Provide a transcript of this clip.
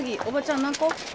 おばちゃん何個？